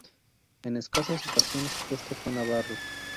En escasas ocasiones este fue navarro.